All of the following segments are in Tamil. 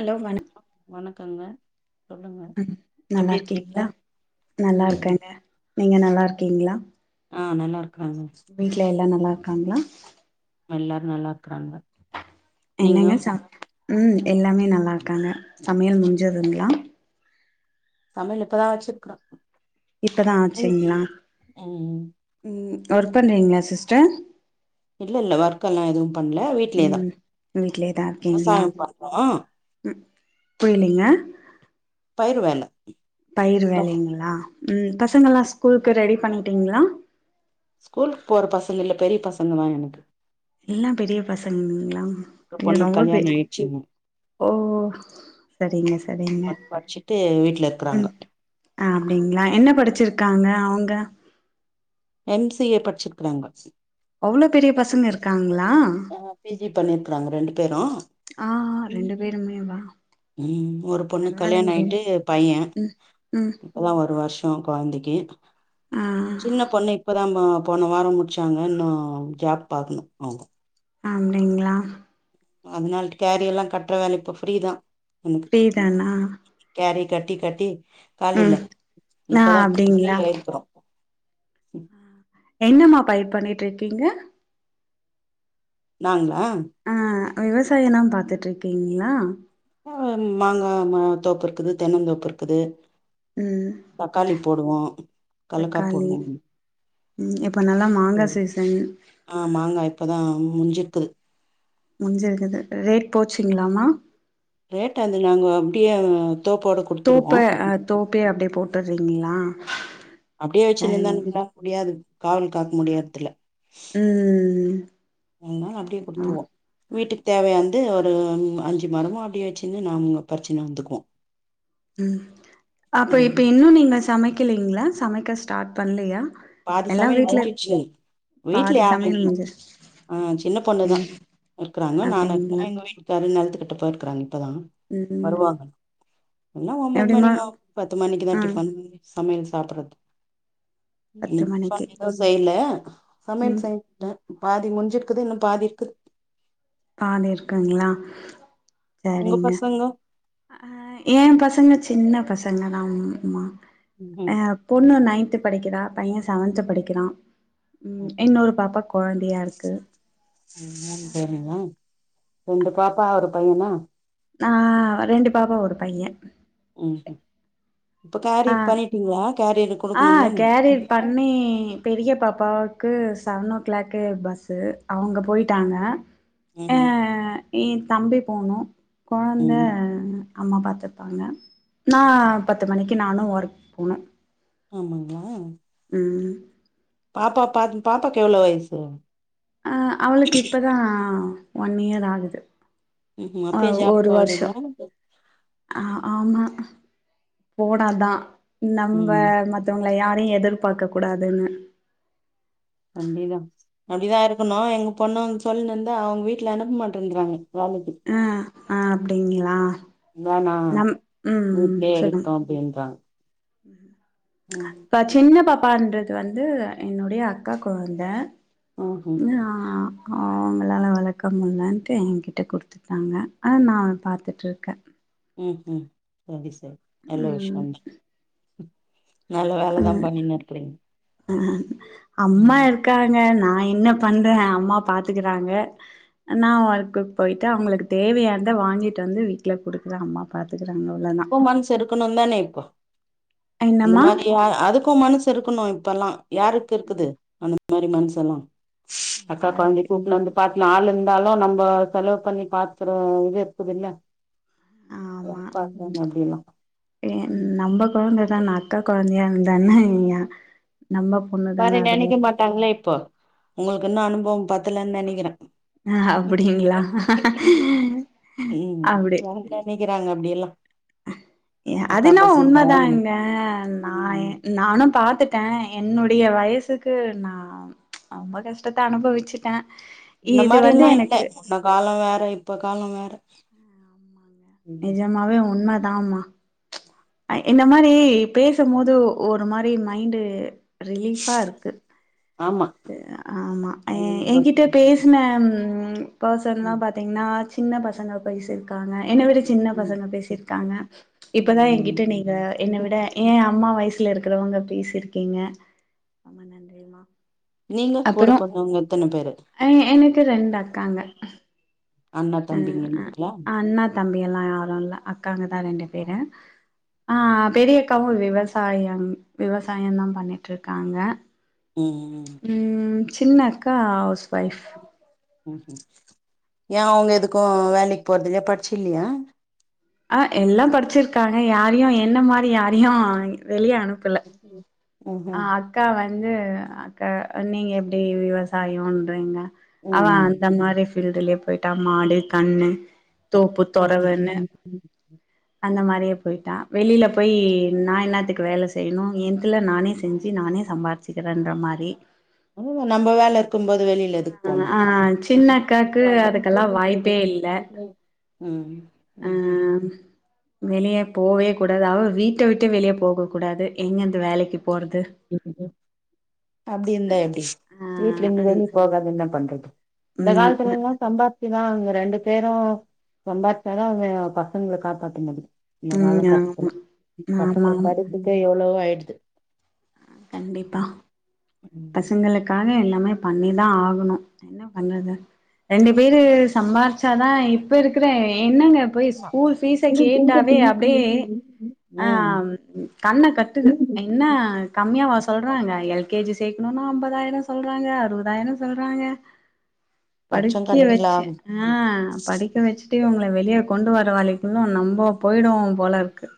ஹலோ வணம் வணக்கங்க சொல்லுங்க ம் நல்லா எப்டி இருக்குறீங்க இருக்கீங்களா நல்லா இருக்கேங்க நீங்க நல்லாருக்கீங்களா ஆ நல்லாருக்குறாங்க வீட்ல எல்லா நல்லா இருக்காங்களா எல்லாரு நல்லா இருக்குறாங்க என்னங்க சப் ம் எல்லாமே நல்லா இருக்காங்க சமையல் முடிஞ்சதுங்களா சமையல் இப்பதா வச்சிருக்குற இப்போதா ஆச்சுங்களா ம். ம் ஒர்க் பண்ணறீங்களா சிஸ்டர் இல்ல இல்ல வர்க்கெல்லா எதுவு பண்ல வீடலயேதா ம் வீட்லயே தா இருக்கீங்களா விவசாயோ பறோ புரியிலிங்க பயிருவேல பயிரு வேலைங்களா ம் பசங்கள்லா ஸ்கூலுக்கு ரெடி பண்ணிட்டிங்களா ஸ்கூலுக்கு போற பசங்க இல்ல பெரிய பசங்க தா எனக்கு எல்லா பெரிய பசங்கங்களா ஒரு அய்யோ பொண்ணுக்கு ரொம்ப பெ கல்யாண ஆயிடுச்சுங்க ஒ ஓ சரிங்க சரிங்க எங்க வீட்டுல ம் இருக்கிறாங்க ஆ அப்டிங்களா என்ன படிச்சிருக்காங்க அவுங்க எம் சி ஏ படிச்சிருக்குறாங்க அவ்ளோ பெரிய பசங்க இருக்காங்களா ஆ பி ஜி பண்ணிருக்குறாங்க ரெண்டு பேரு ஆ ரெண்டு பேருமே வா ம் ஒரு பொண்ணு கல்யாண பரவாயில்லைங்களே ஆயிட்டு பைய ம் ம் அதா ஒரு வர்ஷோ கொழந்தைக்கி ஆ சின்ன நம்ம போன வாரோ முடிச்சாங்க இன்னு ஜாப் பாக்குணு அவுங்க அப்டிங்களா அதனால கேரியெல்லா கட்டுற வேல இப்ப ஃப்ரீதா ஃப்ரீ தானா கேரி கட்டி கட்டி காலில்ல ம் ஆ இப்பதா கொஞ்சோ ஃப்ரீ அப்டிங்களா ஆயிருக்குறோ என்னம்மா பயிர் பண்ணிட்டு இருக்கீங்க நாங்களா ஆ விவசாயோந்தா பாத்துட்டு இருக்கீங்களா ஆ மாங்கா தோப்பு இருக்குது தென்னந்தோப்பு இருக்குது ம் தக்காளி போடுவோ கலக்கா தக்காளி போடுவோ ம் இப்போ நல்லா மாங்கா ம். சீசன் ஆ மாங்கா இப்போ தா முஞ்சிருக்குது முஞ்சுருந்தது ரேட் போச்சுங்களாம்மா ரேட் அது நாங்க அப்டியே தோப்போட குடுத்துருவோ தோப்ப ஆ தோப்பே அப்டியே போட்டுறீங்களா அப்டியே வச்சுன்னு சரி இருந்தா நம்பளா முடியாது காவல் காக்க முடியறதுல்ல ம் ம் ம் அதனால அப்டியே குடுத்துருவோ வீட்டுக்கு தேவையான்து ஒரு அஞ்சு மரமோ அப்டியே வச்சுனு நாங்க பறிச்சின்னு வந்துக்குவோ ம் அப்ப இப்ப ம் இன்னு நீங்க சமைக்கலீங்களா சமைக்க ஸ்டார்ட் பண்லியா பாதி சமையல் முன்சிச்சு வீட்ல பாதி யார் சமையல் இல்ல முடிஞ்சிருச்சு ஆ சின்ன பொண்ணு தா அப்டின் இருக்கறாங்க நானு இருக்கிற அப்டிங்களா எங்க வீட்டு கரு நலத்துக்கிட்ட போயிருக்கறாங்க இப்ப தா ம் ம் இன்னு ஒன்பது மணி எப்டிமா பத்து மணிக்கு தா ஆ டிபன் சமையல் சாப்பறது பத்து இப்பா மணிக்கு எதுவு செய்ல சமையல் ம் செய்ய பாதி முடிஞ்சிருக்குது இன்னு பாதி இருக்கு பாதி இருக்குங்ளா உங்க சரிங்க பசங்க அ என் பசங்க சின்ன பசங்க தா மா ம் அ பொண்ணு நைன்த்து படிக்கிறா பையன் செவன்த்து படிக்கிறான் ம் இன்னொரு பாப்பா கொழந்தையா இருக்கு மூண் ஆ பேருங்ளா ரெண்டு பாப்பா ஒரு பையனா ஆ ரெண்டு பாப்பா ஒரு பையன் ம் ம் இப்ப கேரி ஆ பண்ணிட்டீங்ளா கேரி இருக் ஆ கேரி பண்ணி பெரிய பாப்பாவுக்கு செவன் ஓ கிளாக்கு பஸ்ஸு அவங்க போயி ட்டாங்க ம் ம் என் தம்பி போனு கொழந்த ம் அம்மா பார்த்துப்பாங்க நா பத்து மணிக்கு நானு ஒர்க் போனு ஆமாங்ளா ம் பாப்பா பா பாப்பாக்கு எவ்ளோ வயசு அ அவளுக்கு இப்பதா ஒன் இயர் ஆகுது ம் ஆ அப்பயே ஜாப் ஒரு வர்சோ போறீங்களா அ ஆமா போனாதா நம்ம ம் மத் தவங்கள யாரையு எதிர்பார்க்க கூடாதுன்னு அப்டிதா அப்டிதா இருக்கணு எங்க பொண்ணு வந்து சொல்லினுந்தா அவுங் வீட்ல அனுப்ப மாட்டேன்றாங்க வேலைக்கி ஆ ஆ அப்டிங்ளா நம் ம் ம் சொல்லுங்க அப்டின்றா ம் ம் இப்ப சின்ன பாப்பான்றது வந்து என்னுடைய அக்கா கொழந்த ம்ஹும் ஆ அவுங்களால வளர்க்க முல்லன்ட்டு என்கிட்ட குடுத்துட்டாங்க அத நா பார்த்துட்டுருக்கே ம் ம் சரி சரி நல்ல ம் விஷயன்ற நல்ல வேலதா பண்ணின் இருக்கறீங்க அ அம்மா இருக்காங்க நா என்ன பண்ற அம்மா பாத்துக்கறாங்க நா ஒர்க்குக்கு போயிட்டு அவங்களுக்கு தேவையானத வாங்கிட்டு வந்து வீட்ல குடுக்குறே அம்மா பார்த்துக்கறாங்க அவ்ளோ தா இருக்கணு தானே இப்போ அந்த என்னம்மா மாரி அதுக்கு மனசு இருக்கணு இப்பெல்லா யாருக்கு இருக்குது அந்த மாரி மனசெல்லா அக்கா கொழந்தைய யாருக்கு கூட்னு வந்து பாத்துல ஆள் இருந்தாலு நம்மோ செலவு பண்ணி பாத்துறோ இது இருக்குதுல்ல யார் பாப்பா அப்டில்லா ஏ ம் நம்ப கொழந்த தானெ அக்கா கொழந்தயா இருந்தா என்ன நம்ப மாரி நெனைக்க மாட்டாங்களே இப்போ உங்களுக்கு இன்னு அனுபவம் பத்தலன் நெனைக்கிறே அப்டிங்ளா அப்டி நெனிக்கிறாங்க அப்டியெல்லா அது அக்கா என்னவோ பசங்க உண்மதாங்க நா ம் நானு பாத்துட் டே என்னுடைய வயசுக்கு நா ரொம்ப கஷ்டத்த அனுபவிச்சுட்டே இது வந்து எனக்கு அந்த கால வேற இப்ப கால வேற ஆமாங்க ம் நிஜமாவே உண்ம தாம்மா இந்த மாரி பேசும்போது ஒரு மாரி மைண்டு ரிலீஃபா இருக்கு ஆமா ஆமா ம் என்கிட்ட பேசின பர்சன்லா பாத் திங்னா சின்ன பசங்க பேசிருக்காங்க என்ன விட சின்ன ம் பசங்க பேசிருக்காங்க இப்பதா ம் எங்கிட்ட நீங்க என்ன ம் விட ஏ அம்மா வயசில இருக்கிறவங்க பேசியிருக்கீங்க ரொம்ப நன்றிமா நீங்க கூட அப்புறோ பொறந்தவங்க எத்தன பேரு எனக்கு ரெண்டு அக்காங்க அண்ணா அ தம்பிங்கங்களா அண்ணா தம்பி எல்லா யாரு இல்ல அக்காங்கதா ரெண்டு பேரு ஆ பெரிய அக்காவு விவசாயம் விவசாயந்தா பண்ணிட்ருக்காங்க ம் ம் சின்ன அக்கா ஹவுஸ் வைஃப் ஏ அவுங்க எதுக்கு வேலைக் போறதுகு பட்ச்சு இல்லியா ஆ எல்லா படிச்சிருக்காங்க யாரயு என்ன மாரி யாரயு வெளிய அனுப்பல ம் அ அக்கா வந்து அக்கா நீங்க எப்டி விவசாயொன்றீங்க அதா ம் அந்த மாரி ஃபீல்டுலே போய்ட்டா மாடு கண்ணு தோப்பு ம் ம் தொறவுன்னு ம் ம் அந்த மாரியே போய்ட்டா வெளில போய் நா என்னாத்துக்கு வேல செய்யனு என்துல நானே செஞ்சு நானே சம்பா சிக்கரன்ற மாரி நம்ப வேல இருக்கும்போது வெளியில எதுக்கு போணு ஆ சின்ன அக்காக்கு அதுக்கெல்லா வாய்ப்பே ம் ஹ வெளிய போகவே கூடாது அவ வீட்ட விட்டு வெளியே போக கூடாது எங்க இந்த வேலைக்கு போறது ரி சார் அப்டி இருந்தா எப்டி ஆ வீட்ல அந் இருந்துவேலக்கு போகாது என்ன பண்றது இந்த ம் அ காலத்துலங்க சம்பாதிச்சி தா அவங்க ரெண்டு பேரு சம்பாதிச்சாதா அவங்க பசங்கள காப்பாத்த முடியு இந்த கால ம் ஆமா கட்டத்துல பசங்க ஆமா ஆமா படிப்புக்கே எவ்வளவோ ஆயிடுது கண்டிப்பா பசங்களுக்காக எல்லாமே பண்ணிதா ஆகணு என்ன பண்றது ரெண்டு பேரு சம்பாரிச்சாதா இப்ப இருக்கிற என்னங்க போய் ஆமா ஸ்கூல் ஃபீஸ கேட்டாவே அப்டியே ம் கண்ண கட்டுது என்ன கம்மியாவா சொல்றாங்க எல் கே ஜி சேக்கணுன்னா அம்பதாயிரொ சொல்றாங்க அறுவதாயிரொ சொல்றாங்க லட்ச படிக்க கணக்குல வெச்சே ஆகுது ஆ படிக்க வெச்சுட்டே உங்கள வெளிய கொண்டு வர வேளைக்குள்ள நம்ப போயிடுவோ போல ம் இருக்கு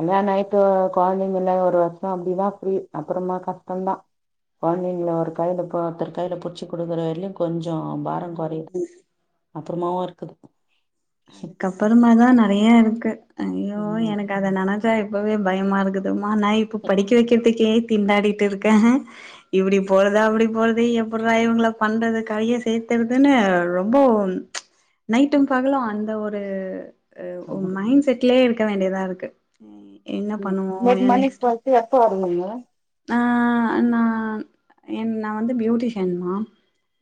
அதா நா இப்ப கொழந்தைங்கள்லா ஒரு வர்ஷ அப்டிதா ஃப்ரீ அப்பறமா கஷ்டந்தா கொழந்தைங்ளா ஒரு கைல இப்ப ஒர்த்தர் கைல புட்ச்சு குடுக்குற வரைலு கொஞ்ச பார கொறையு அப்பறமாவு இருக்குது அதுக்கப்பறமா தா நெறையா இருக்கு ஐயோ ம் எனக்கு அத நெனச் சா இப்பவே பயமா இருக்குதுமா நா இப்ப படிக்க வெக்கற்த்துக்கே திண்டாடிட்டு இருக்க இப்டி போறதா அப்டி போறது எப்புட்றா இவ்ங்கள பண்றது கரைய சேத்தற்துன்னு ரொ ம்போவு நைட்டு பகலு அந் த ஒரு அ ம் மைண்ட் செட்லே இருக்க வேண்டியதா இருக்கு ம் என்ன பண்ணுவோ ஏ நெக்ஸ்ட்டு டு எப்ப வரணுங்க ஆ நான் என் நா வந்து பியூட்டிஷியன்மா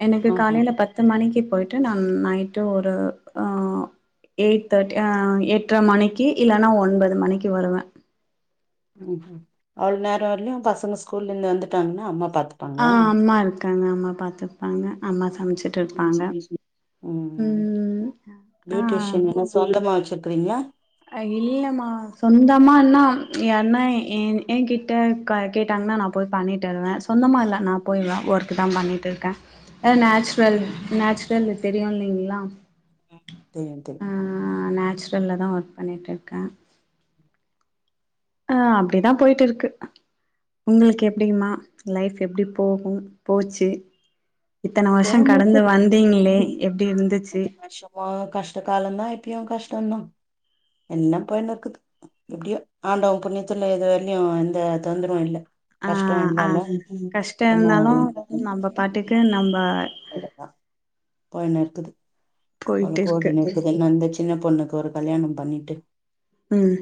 எனக்கு ஆஹா காலைல பத் த்து மணிக்கு போயிட்டு நான் நைட்டு ஒரு ஆ எயிட் தேர்ட் அ எட்ர மணிக்கு இல்லனா ஒன்பது மணிக்கு வருவ ம் ம் அவ்ளோ நேர வர்லையு பசங்க ஸ்கூல்ல இருந்து வந்துட்டாங்கனா அம்மா பாத்து ஆ அம்மா இருக்காங்க அம்மா பாத்துப்பாங்க அம்மா சமச்சுட் ட்ருப்பாங்க ம் ஆ ஆ மொத்தமா வச்சிருக்றீங்ளா அ இல்லம்மா சொந்தமானா யார்னா என் எங்கிட்ட க கேட்டாங்னா நா போய் பண்ணிட்டு வருவ சொந்தமா இல்ல நா போய் எ ஒர்க்குதா பண்ணிட்டு இருக்க அது நேச்சுரல் ம் நேச்சுரல் இது தெரியு இல்லைங்ளா தெரியு தெரியு ம் நேச்சுரல்ல தா வொர்க் பண்ணிட்ருக்க ஆ அப்டிதா போயிட்டு இருக்கு உங்களுக்கு எப்டிங்மா லைஃப் எப்டி போகு போச்சு இத்தன வர்ஷ போயினு கடந்து இருக்குது வந்தீங்ளே எப்டி இந்துச்சு மொத கஷ்ட காலந்தா இப்பயு கஷ்டந்தா எல்லா போய்ன்னுருக்குது எப்டியோ ஆண்டவ புண்ணியத்துல இது வர்லையு எந்த தொந்தரவு இல்ல ஆ கஷ்ட ஆ இருந்தாலும் ம் கஷ்டோ பண்ணுவோ இருந்தாலு அப்டினு நம்ம பாட்டுக்கு நம்ப எங்க பா போய்னுருத்துது இப்ப அதுல போயிட்டு போது இருக்கு முடிஞ்சதுன் அந்த சின்ன பொண்ணுக்கு ஒரு கல்யாண பண்ணிட்டு ம்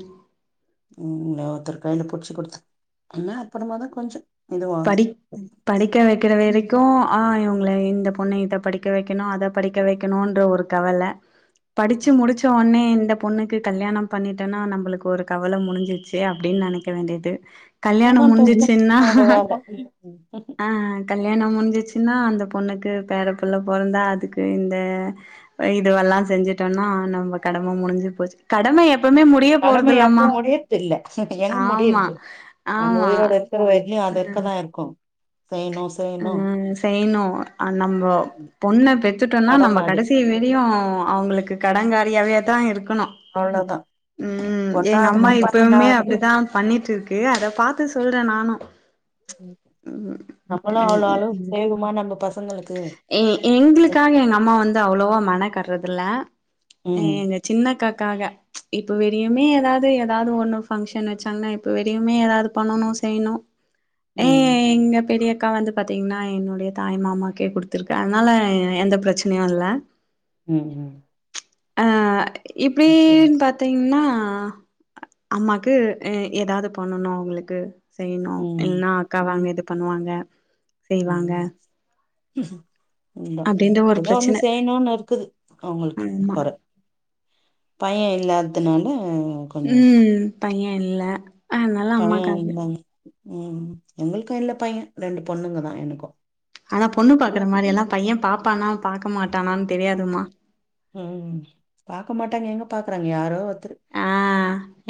ம் ஆ ஒருத்தர் கைல புட்ச்சு குடுத்து என்ன அப்பறமா தா கொஞ்ச படிக் படிக்க வெக்கிற வெரைக்கு ஆ இவ்ங்கள இந்த பொண்ண இத படிக்க வெக்கணு அத படிக்க வெக்கணுன்ற ஒரு கவல படிச்சு முடிச் சோனே இந்த பொண்ணுக்கு கல்யாணம் பண்ணிட்டனா நம்பளுக்கு ஒரு கவல முடிஞ்சிச்சு அப்டின் நெனைக்க வேண்டியது கல்யாண அதா முட்ஞ்சிச்சுன்னா பெத்தவங்களோட வேல ஆ கல்யாண முட்ஞ்சிச்சுனா அந்த பொண்ணுக்கு பேரப்புள்ள பொறந்தா அதுக்கு இந்த ஆ இதுவெல்லா செஞ்சுட்டோனா நம்ப கடம முடிஞ்சு போச்சு கடம எப்பவுமே முட் கடம எப்ப முடியு தெர்ல எங்க ஆமா முடியர்து நம்ம ஆமா உயிரோட இரு க்குற வரைக்கு ஆ அதுக்குனா இருக்கு செய்னு செ ம் செய்ணு அ நம்போ பொண்ண பெத்துட்டோனா நம்ம கடம அது கடைசி வரையு அவுங்களுக்கு கடங்காரியாவே தா இருக்கணு அவ்ளோதா ம் எங்க அம்மா பொண்ணாகட்டு இப்பவுமே பையனாகட்டு அப்டி தா பண்ணிட்டுருக்கு அத பாத்து சொல்றே நானு [inaudible] நம்மளு ம் அவ்ளோ அளவு செய்வோமா நம்ம பசங்களுக்கு ஏ எங்களுக்காக எங்க அம்மா வந்து அவ்ளவா மெனக்கட்றதில்ல ம் எங்க சின்னக்காகாக இப்ப வரியுமே ஏதாது ஏதாது ஒண்ணு ஃபங்க்ஷன் வச்சாங்கன்னா இப்ப வரியுமே ஏதாது பண்ணணு செய்ணு ஏ ம் எங்க பெரியக்கா வந்து பாத்தீங்கன்னா என்னுடைய தாய்மாமா க்கே குடுத்துருக்கு அதனால எந்த பிரச்சனயு இல்ல ம் ம் அ இப்டினு பாத் பாதீங்கன்னா அம்மாக்கு ஏதாது பண்ணணு அவுங்களுக்கு செய்ணு ம் இல்லன்னா அக்கா ம் வந்து இது பண்ணுவாங்க செய்வாங்க இல்ல அப்டின்ற ஒரு ஏதோ ஒண்ணு பிரச்சன செய்ணுனு இருக்குது அவுங்களுக்கு ஆமா கொற பைய இல்லாதுனால ம் பையன் இல்ல அதனால பையன் அம்மாக்கு அது இல்லனு ம் எங்களுக்கு இல்ல பையன் ரெண்டு பொண்ணுங்க தா எனக்கும் ஆனா பொண்ணு பாக்குற மாரியெல்லா பைய பாப்பானா பாக்க மாட்டானான்னு தெரியாதுமா ம் பாக்க மாட்டாங்க எங்க பாக்குறாங்க யாரோ ஒருத்தரு ஆ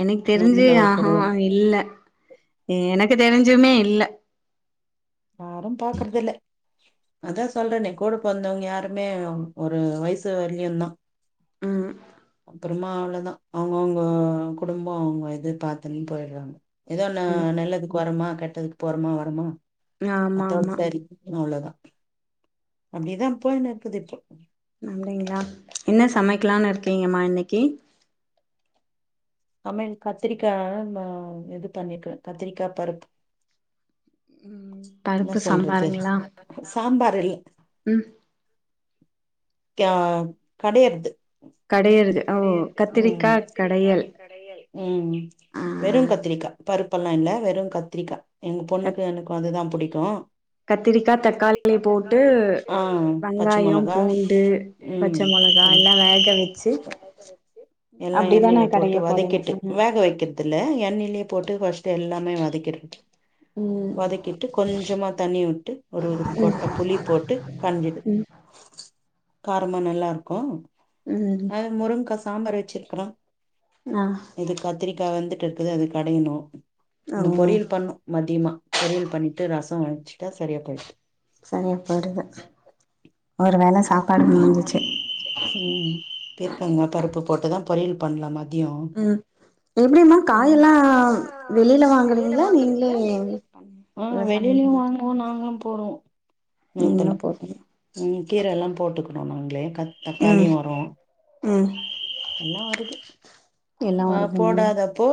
எனக்கு தெரிஞ்சு நூத்துல ஆ ஹா ஒருத்தரு இல்ல எனக்கு தெரிஞ்சுமே இல்ல யாரும் பாக்குறது இல்ல அதா சொல்றனே கூட பொறந்தவங்க யாருமே ஒரு வயசு வர்லயு தா ம் அப்றமா அவ்ளோ தா அவுங்கவுங்க குடும்போ அவுங்க இது பாத்துன்னு போய்ட்றாங்க ஏதோ ஒண்ணு ம் நல்லதுக்கு வரோமா கெட்டதுக்கு போறோமா வரோமா ஆமா அத்தோட ஆமா சரி அவ்ளோ தா அப்டிதா போய்னுருக்குது இப்போ அப்டிங்களா என்ன சமைக்கலானு இருக்கீங்கம்மா இன்னைக்கி சமையல் கத்திரிக்கா அந்த இது பண்ணிருக்கே கத்திரிக்கா பருப்பு ம் என்ன பருப்பு சொல்றது சாம்பாருங்களா சாம்பார் இல்ல ம் க கடையிறது கடையிறது கடையிறது ம் கத்திரிக்கா கடையல் உம் ஆ வெறும் கத்திரிக்கா பருப்பெல்லா இல்ல வெறும் கத்திரிக்கா எங்க கத் பொண்ணுக்கு எனக்கும் அதுதா புடிக்கும் கத்திரிக்கா தக்காளி போட்டு ஆ பச்ச வெங்காயம் மொளகா பூண்டு பச்ச ம் மொளகா பச்சை எல்லா எல் வேக வச்சு எல்லா எண்ணெய்ல அப்டிதான போட்டு கடைய போறீங்க வதக்கிட்டு வேக வைக்க தில்ல எண்ணெய்லயே போட்டு ஃபர்ஸ்ட் எல்லாமே வதக்கிறது ம் ம் வதக்கிட்டு கொஞ்சமா தண்ணி விட்டு ஒரு ஒரு கொட்ட புளி போட்டு கஞ்சிடு காரமா நல்லாருக்கு ம் அது முருங்கா சாம்பார் வச்சிருக்குறோ ஆ இது கத்திரிக்கா வந்துட்டுருக்குது அது கடய்ணு இன்னு ஓ பொரியல் பண்ணு மதிய்மா பொரியல் பண்ட்டு ரசோ வச்சுட்டா சரியா போய்டுது சரியா போடுது ஒரு வேள சாப்பாடு வேளை சாப்பாடு முடிஞ்சிச்சு ம் பிக்காங்க பருப்பு போட்டுதா பொரியல் பண்லா மதியோ ம் எப்டிம்மா காயெல்லா வெளியில வாங்குவீங்களா நீங்ளே ம் வெளியிலயு வாங்குவோ நாங்களு போடுவோ நீங்களு நிலத்துல போடுவிங் ம் கீர எல்லா போட்டுக்குறோ நாங்களே கத் தக்காளியு ம் வரு ம் எல்லா வருது எல்லா ஆ வருதுங்க போடாதப்போ